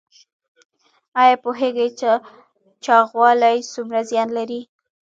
ایا پوهیږئ چې چاغوالی څومره زیان لري؟